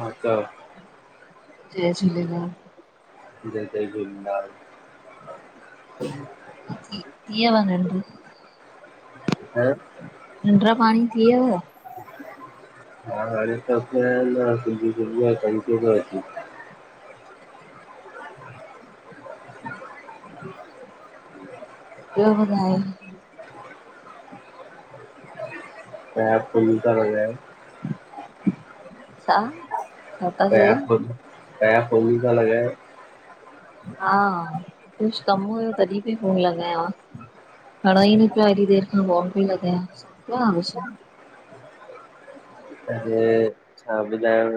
हा त जय झूलेलाल। जय जय झूलेलाल। [unintelligible] निंड पाणी थी वियव हम [unintelligible] ॿियो ॿुधायो? [unintelligible] छा? छा था चयो [unintelligible] हा कुछ कम हुयो, तॾहिं पयी फोन लॻायां। खणो ही नपया हेॾी देर खां फोन पयी लॻाया, सुम पया हो छा? अरे छा बुधायाव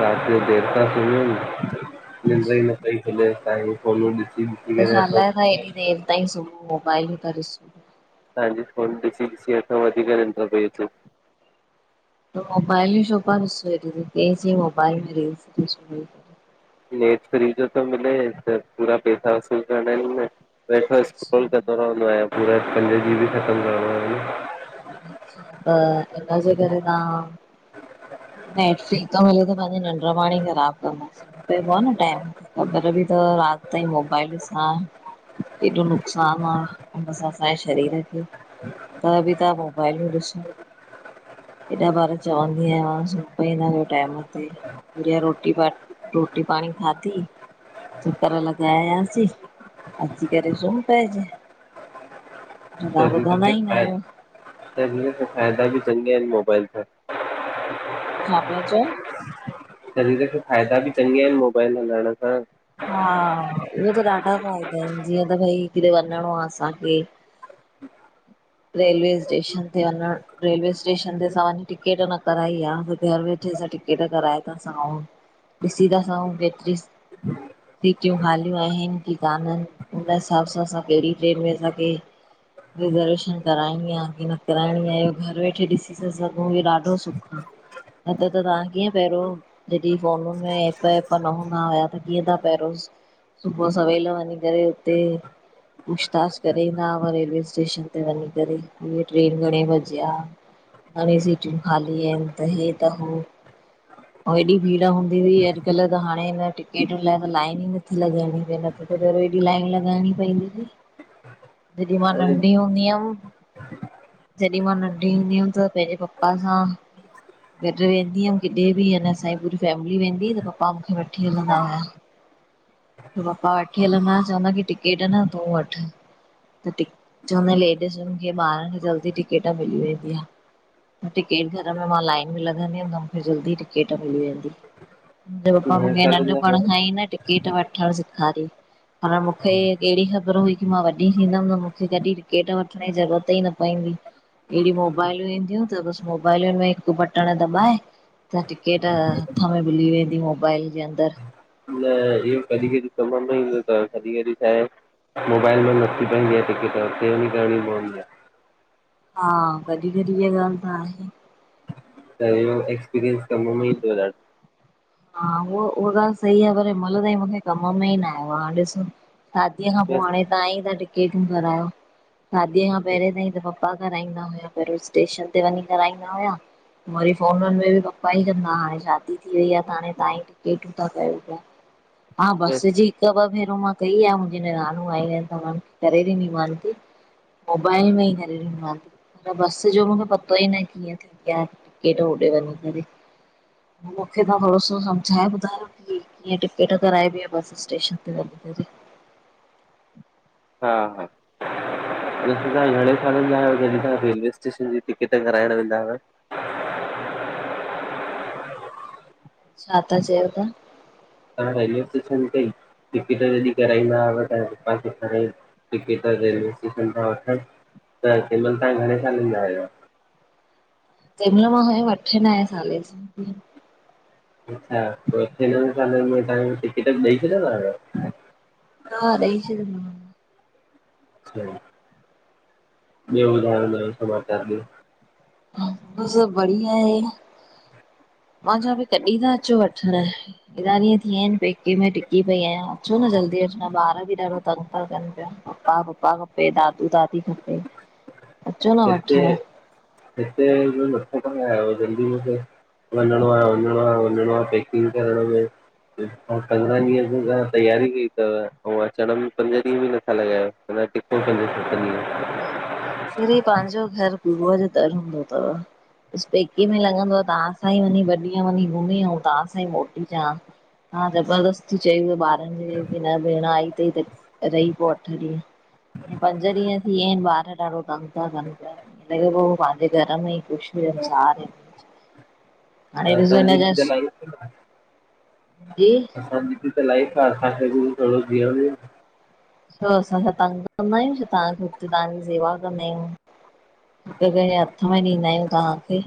रात जो देर सां सुमियो निन्ड् अच्छा ही न पई खुले साई फोन ॾिसी ॾिसी त करे छा असां लाए तवा हेएॾी देर ताईं सुबुह मोबाइलूं था ॾिसो? तव्हांजी फोन ॾिसी ॾिसी असां वधीक निंड्र पई अचे। मोबाइल्यू छो पया ॾिसो के चयइ मोबाइल र? नेट फ्री जो त मिले त पूरा पैस सा वसूल वठो अच्छा स्क्रोल कंदो रहंदो आया। पूरा पंज जीबी ख़तम करिणो हु अच्छा त हिनजे करे तव्हां नेट फ्री थो मिले त पंहिंजी निड्र पाणी ख़राब कंदास। पइबो आ न टाइम ते ख़बर बि थव रात ताईं मोबाइल ॾिसां एॾो नुक़सान आ बस असांजे शरीर खे ह त बि तहां मोबाइलु ॾिस एॾा ॿार चवंदी आहियां सुम पईन्दा कयो टाइम ते। गुडिया रोटी प रोटी पाणी खाधी? चकर लॻायासीं, अची करे सुूम् पइंजय। तहां तॾहिं ॿुधंदा ई न आहियो। त हिय त फाइदा बि चंगे आहिन मोबाइल ज छा पया चौ? शरीर खे फ़ाइदा बि चङा आहिनि मोबाइल हलाइण सां, हा उह त ॾाढा फ़ाइदा आहिनि जीअं त भई किॾे वञिणो आ असांखे, रेलवे स्टेशन ते वञण, रेलवे स्टेशन ते असां वञी, टिकेट न कराई आ हुते घर वेठे असां खे, टिकट कराए था सघऊं ॾिसी था सघऊ केतिरी, सीटयूं खालियूं आहिनि की काननि, हुन हिसाब सां असां कहिड़ी ट्रेन में असांखे रिजर्वेशन, कराइणी आ की न कराइणी आहे, इहो घरु वेठे ॾिसी था सघऊं इहो ॾाढो सुख, न त त तव्हां कीअं पहिरियों, जॾहिं फोन में एपएप न हूंदा हुया त कीअं ता पहिरो, सुबुह सवेल वञी करे उते, पूछ ताछ करे ईंदा हुआ रेलवे स्टेशन ते वञी, त हिय ट्रेन घणे बजे आ? घणी सीटियूं खाली त हे त हो, अऊं एॾी भीड़ हूंदी हुई, अॼुकल्ह त हाणे हिन टिकेटुनि लाइ त लाइन ई नथी लॻाइणी पए त, त पेरो एॾी लाइन लॻाइणी पवंदी हुई, जॾहिं मां हाणे नंढी हूंदी हुयमि। जॾहिं मां नंढी हूंदी हुअमि त पंहिंजे पप्पा सां गॾ वेंदी हुअमि किॾे बि अ न असांजी पूरी फैमिली वेंदी हुई, त पप्पा मूंखे वठी हलंदा हुआ। त पप्पा वठी हलंदा हा, चवंदा कि टिकेट न तूं वठ। त टि चवंदा हा लेडीजुनि खे ॿारनि खे जल्दी टिकेट मिली वेंदी आ। टिकेट घर में मां लाइन में लॻंदी हुअमि त मूंखे जल्दी टिकेट मिली वेंदी। मुंहिंजे पप्पा घणे मूंखे सालनि नंढपण खां ई न टिकेट वठण सेखारियो। पर मूंखे कहिड़ी ख़बर हुई की मां वॾी थींदमं त मूंखे कॾहिं टिकेट वठण जी ज़रूरत ई न पवंदी। अहिड़ी मोबाइलूं ईंदियूं त बस मोबाइलुनि में हिकु बटण दॿाए त टिकेट हथ में मिली वेंदी, मोबाइल जे अंदर। त इयो कॾी कॾी कमु में ईंदो तव, कॾी कॾी छाहे? मोबाइल में न थी पाइंदी आ टिकेट, उते‌ वञी करणी पवंदी आ। हा कॾी कॾी इहा ॻाल त आहे। त इहो एक्सपीरियंस कम मे ई थियो तस। हा उह उहा ॻाल्हि सही आ, पर हिमल ताईं मूंखे कम में ई न आयो आ हाणे ॾिसो। शादीअ खां पो ॾाढो हाणे तव्हां ई ता टिकेटूं करायो। शादीअ खां पहिरियोें ताईं त पप्पा कराईंदा हुया, पहिरियों स्टेशन ते वञी कराईंदा हुया। वरी फोनून में बी पप्पा ई कंदा हाणे शादी थी वई आ। हाणे तव्हां ई टिकेटूं ता कयो पिया। हा बस जी हिक ॿ भेर मां कई आ मुंहिंजी निणानूं आई आहिनि‌ त उननखे करे ॾिनी मान थी। मोबाइल में ई करे ॾिनी मान ती। त बस जो मूंखे पतो ई नाये कीअं थींदी आ, टिकेट होॾे वञी करे। मुंखे त थोड़ो सो सम्झाए ॿुधायो की कीअं टिकेट कराइबी आ बस स्टेशन ते वञी करे। हा -हा, तॾहिं तव्हां घणे सालन जा हुयव, जॾहिं तव्हां रेलवे स्टेशन जी टिकिट कराइण वेंदाव? छा था चयो तां? तां रेलवे स्टेशन तेई टिकट जॾीं कराईंदाव त तां केतिरे टिकट रेलवे स्टेशन था वठनि त कंहिं महिल तव्हां घणे सालनि जा आहियो [unintelligible] तंहिं महिल मां हूयम अठे नाएं साले जी। अच्छा पोइ त्हखे टिकट े छ न [inaudible] हा ॾई छॾयो मांन। ॿियो ॿुधायो नयो समचार ॿियो! बस बढ़िया आहे। मा चवां पई कॾहिं ता अचो वठणु? हेॾा ॾींहं थी विया आहिन पेके में टिकी पई आहियां। अचो न जल्दी अॼुकल ॿार बि ॾाढो तंग था कन पिया, पपा पप्पा खपे दादू दादी खपे। अचो न हिते, वठण। हिते मथो छो खायो हुअव, वञणो आ जल्दी मूंखे। वंञणो आ, वंञणो आ, वंञणो आ पैकिग करण में पंद्रहं ॾींहं वइ करे तैयारी कई अथव ऐं अचण में पंज ॾींहं बि नथा लॻायो। ट [inaudible] वरी ब पंहिंजो घर गुरू जो दर हूंदो थव, बस पेके में लॻंदो त्हां उतांई वंञी ॿ ॾींहं वंञी घुमी अंऊं तां सां ई मोटी अचां आं, तां ज़बरदस्ती चई त ॿार नंढिङी भेण आई थई त रही पोव अठ ॾींह। पंज ॾींहं थी वियाअंन ॿार ॾाढो तंग था कन पिया, लॻे पो पंहिंजे घर में ई उष्मनि सार [inaudible] त अंसांजी ॿ त लाइफ, जी असांजी त असांजी ॿ त लाईफ आ, असां खे ॿ थोङो जिअण ॾियो। छो असां छा तंग कंदा आहियूं छा तहांखे, हुते तहांजी सेवा कंदा आहियूं। हिकु हिकं शै हथ में ॾींदा आहियूं तहांखे।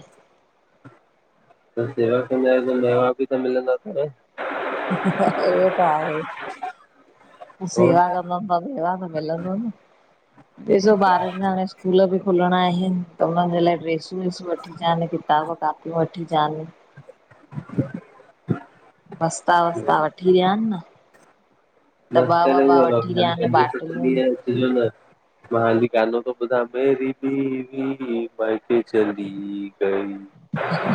त सेवा कंदा आहियो त मेवा बि त मिलंदा थव। उहो त आहे। सेवा कंदमि त मेवा त मिलंदो न, ॾिसो ॿारनि ज हाणे स्कूल ब़ि खुलणा आहिन तं हुननि जे लाए ड्रेसूं वेसूं वठी चान, किताब कॉपियूं वठी अचांन। [inaudible] बस्ता वस्ता वठी ॾियान न। दॿा मस्ती वॿा में रओ, वठी हाली ॾियानि पंज सत्त बाटलूं ॾींह अचजो न। मां अॼ गानो तो ॿुधां, मेेरी बीवी मायके चली गई।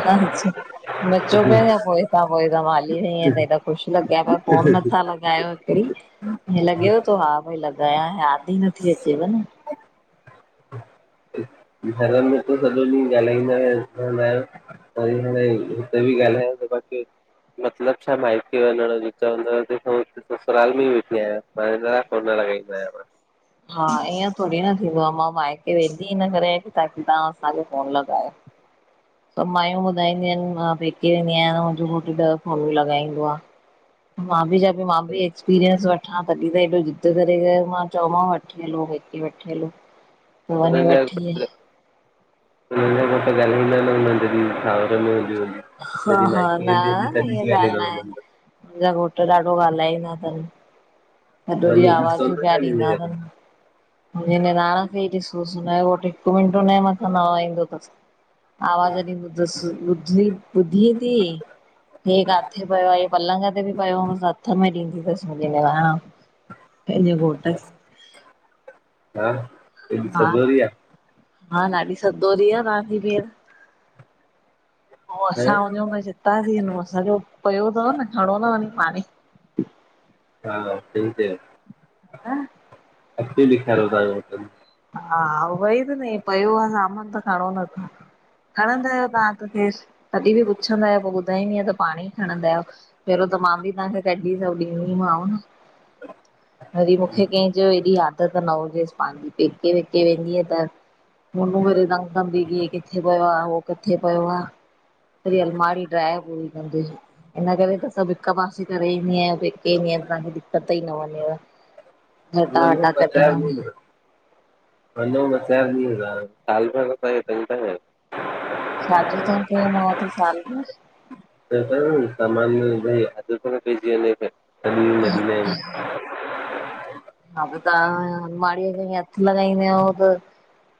हा [unintelligible] नचो पिया छा पोए तां, पोए तां, मां हली वई आंयां त हेॾा ख़ुश लॻिया प्या यो फोन नथा लॻायो। हिंअ लॻेव तो हा भई लॻायां, याद ई नथी अचेव न घर में त सॼो ॾींहुं ॻाल्हाईंदा रहंदा आहयो। ताई ह [unintelligible] हुत्ते ॿि ॻाल्हांया त बाकि मतलब छा मायके वंञण जो, त चंवंदव त वेठा हुज ससुराल में ई वेठी आहियां, मां हिन लाए फोन न लॻाईंदो आहियां मां हा, ईअं थोङी न थींदो आ, मां माइके वेंदी हिन करे आंयाकि ताकी तहां असांखे फ़ोन लॻायो। सब मायूं ॿुधाईंदियूं आहिन, मां पेके वेंदी आहयां मुंहिंजो घोटु ॾह फोनियूं लॻाईंदो आ। मां बि चयो कि मां बि एक्स एक्सपीरियंस वठां तॾहिं त हेॾो ज़िद्द करे करे मां चयो मांव वठी हलो हेॾै वठी हलो। वंञी हुननि जा वठी हुननि खां घटु ॻाल्हाईंदा न हुन ज सावर में हूंदियूं आहिन [unintelligible] हा- हा, न ईअ ॻाल न आहे, मुंहिंजा घोट ॾाढो ॻाल्हाइंदा थन। सॼो ॾींअ आवाजूं पिया ॾींदा थन। हूंदा मुंहिंजी निराण खे ई ॾिसोस, हुनजो घोट हिकु मिंन्ट उन जे मथां न हलाईंदो थस। आवाज ॾींदो थस, बुधी- बुधीं ती। हे काथे पयो आ, हे पलंग ते बि पयो हुंदो त हथ में ॾींदी थसि मुंहिंजी निरांण। पहिजें घोट खे हा केङी हा सदोरी आ। हा, ॾाढी सधोरी आ तव्हांजी भेण। पोइ आहे असां वञूं त छित्ता थी वञो, सॼो पियो तव न खणो न वञी पाणई हा, सही चए, अची ॾिखारो तव्हां हा, उअ ई त न पयो आ त सामान खणो नथा। खणंदा आहियो तव्हां त खेर, तॾहिं बि पुछंदा आहियो पो ॿुधाईंदीअ त पाणे ई खणंदा आहियो। पहिरियों त मां बि तव्हांखे कॾीं सब ॾिदीमांव न वरी मुखे कें चयो एॾी आदत न हुजेसि पांजी। पेके वेके वेंदी आ त फोनु करदाऊं। सब घीअ किथे पयो आ उहो किथे पयो आ? सॾी अलमारी ड्राइ हुई हिन करे त सभु हिकु पासे करे ईंदी आहियां। पेके वेंदी आयां त तव्हां खे दिक़्क़त त ई न वञेव। अट्टा वञो वट्टा कढणा। वनो ॿ चार ॾिअ ता, साल भर त असाखें तंग ता कयो। छाजो तगं कयो माओ अची साल में? [unintelligible] हा त तव्हां जी अलमड़ीअ खे हथ लॻाईंदीआंव त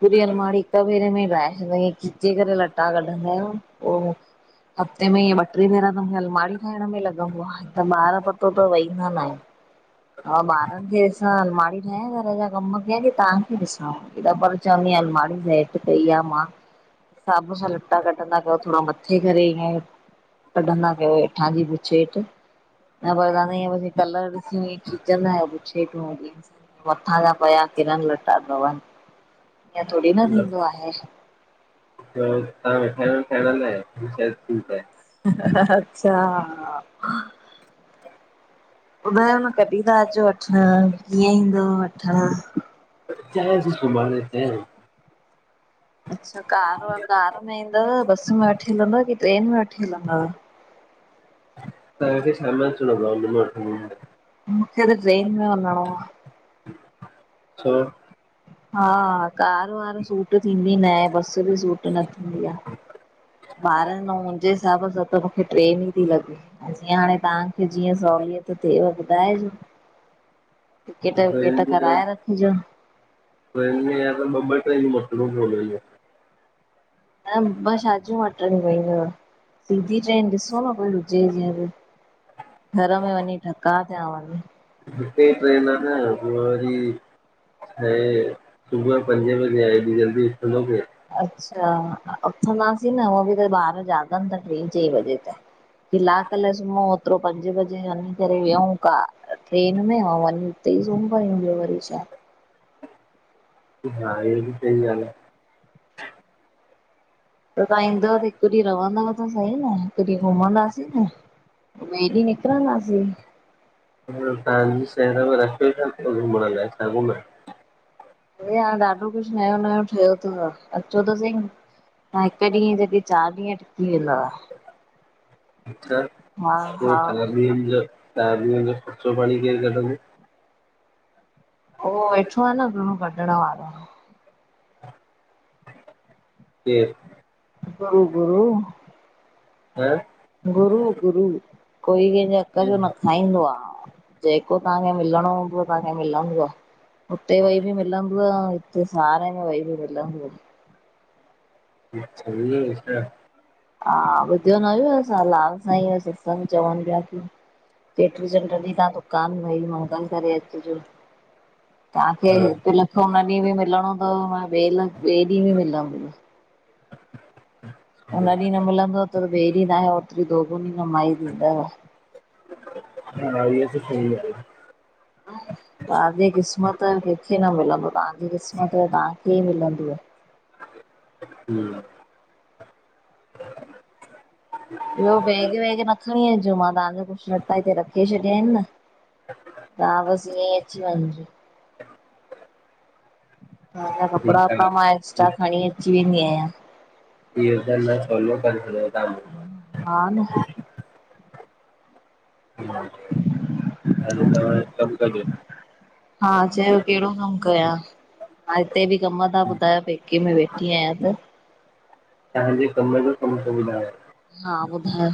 पूरी अलमारी [unintelligible] खिचे करे लटा कढंदा आहियो पो हफ़्ते में ईंअ ॿ ट्रे दफा मुखे अलमारी ठाइण में लॻंदो आ त ॿार पतो तओ वईंदा ना आहिनि। हा ॿारनि खे त अलमारी ठहियां, घर जा कम कया कि तव्हांखे ॾिसाओ। [unintelligible] अलमारी कई आ मां, हिसाब सां लटा कढंदा कयो थोड़ा मथे करे ईंअ कढंदा कयो हेठां जी बुशेट। न कलर ॾिसी खिंचंदा आयो कुछ हेठो खिचं, मथां जा पया केॾा लट्टा थव। ईअ थोड़ी न ॾींदा आहिनि थींदो आहे। तव्हां वेठा आहियो न ठाएण लाइ, [unintelligible] अच्छा, ॿुधाां न क कॾीं ता अचो वठणं कीअं ईंदव वठण? चयसीं सुब्हांणें अचैं? अच्छा कार कार में ईंदव बस में वठी हलंदव की ट्रेन में वठी हलंदव? तव्हांखे शामें अचणों तव उन मेल वठन्दो मां मुखे त ट्रेन में वंञिंणो आ। छो? हा कार वार सूट थींदी नाहे बस ॿि सूट न थींदी आ। ॿारनि अऊं मुंहिंजे हिसाब सां त मुखे ट्रेन ई ती लॻे। त जीअं हांणें तव्हांखे जीअं सहूलियत थियेव ॿुधाइजो। टिकेट विकेट ट्रेन कराए रखिजो। ट्रेन में या त ॿ ॿ ट्रेन्यूं मटणियूं पवंदियूं। न ॿ छाजियूं मटणियूं पईंदव? सिधी ट्रेन ॾिसो न कोई हुॼे ॼीअं ॿि। घर में वञीं ठका थियां वञी। हिकई ट्रेन आ न ब्यो वरी हे सुबुअ ॼो पंॼे बॼे आ हेॾी जल्दीं उथंदो केर? अच्छा उथंदासीं न हुंअ ॿि त ॿार जाॻनि ता ट्रीं चईं बजे ताईं। किलाक लाए सुम्हंउं ओतिरो पंजे ॿजे वंञीं करे वेहियंउ कार ट्रेन में हा वंञीं उतई सुम पयुं ॿियो वरी छा हा इह्यो ॿि सही आ न। त तहां ईंदव त हिकु ॾींहु रहंदव त सहीं न हिकु ॾींहु घुमंदासीं न पो ॿिये ॾींह निकिरंदासीं तहांजे शहर में रखियो छा थव घुमंण लाए, छा घुमा? अरे हांणें ॾाढो कुछु नयो -नयों ठहियो तव अचो त संईं तहां हिक ॾींहं जॻहिं चारि ॾींहं टिकी वेंदव अचछा हा हा पोइ तलर बि जो [unintelligible] चार ॾींहनि जो ख़र्चो पांणीं केरु कढंदो? उहो वेठो आ न गुरु कढंण वारो केरु? कुलगुरू त गुरू -गुरू कोई केंॼे हक जो न खांईंदो आ जेको तहांखे मिलणों हुंदुव तहांखे मिलंदुव हुते वेही ॿि मिलंदुव अंऊं हिते सावरे में वेही ॿि मिलंदुव अच्छा, ईंञ्हें छा? हा ॿुधियो न हुयुव छा लाल साईंय ॼो सत्संग चवनि पिया कि चेट्री चण्ड्र ॾिहिं तहां दुकानु भई मंगल करे अचिॼो तहांखे हिकु लखु उन्ह ॾींहुं ॿि मिलिणों तव उन ॿिए लख् ॿिए ॾींहुं ॿि मिलंदुव खाली जवाब उन्ह ॾींहुं न मिलंदुव तुर ॿिए ॾींहुं तहांखे ओतरी दोगुनी कमाई थींदव। हा इह्यो त सही ॻाल्हि। तहांजे क़िस्मत यो कंहिंखे न मिलंदो तहांजी क़िस्मत यो तहांखे ई मिलंदुव हम्म। ॿियो बैग वैग न खणीं अचिजो मां तहांजा कुछु लट्टा हिते रखे छॾिया हिनि न। तहां बस इंञेंई अची वंञ् ॼो खाली जवाब तव्हांजा कपिड़ा वपड़ा मां आहे एक्स्ट्रा खणीं अची वेंदी आहियां इह्यो कमु त सहुलो करे छॾियुव तहां मुंजो हा न। हा, हलो त हाणें कम कजे। हा चयो, केड़ो कम कयां? हा, हिते बि कम ता ॿुधायो, पेके में वेठी आयां त तहांजे कम जो कमु तो बुधायां हा, ॿुधायो